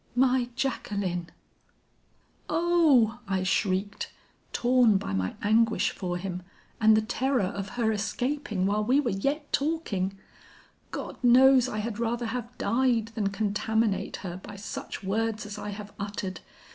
'My Jacqueline!' "'Oh!' I shrieked, torn by my anguish for him and the terror of her escaping while we were yet talking, 'God knows I had rather have died than contaminate her by such words as I have uttered.